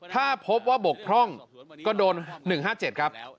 ถ้าพบว่าบกพร่องก็โดน๑๕๗ครับ